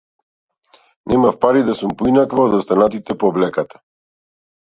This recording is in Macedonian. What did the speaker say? Немав пари да сум поинаква од останатите по облеката.